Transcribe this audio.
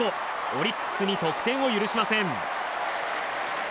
オリックスに得点を許しません。